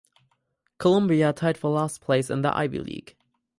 Columbia tied for last place in the Ivy League.